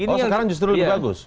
oh sekarang justru lebih bagus